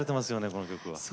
この曲は。